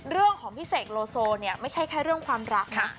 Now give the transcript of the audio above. เรื่องของพี่เสกโลโซเนี่ยไม่ใช่แค่เรื่องความรักค่ะ